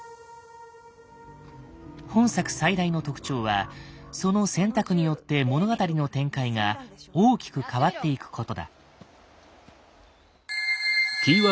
本作最大の特徴はその選択によって物語の展開が大きく変わっていくことだ。